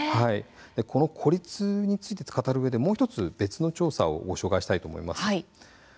この孤立について語るうえでもう１つ別の調査をご紹介したいと思います。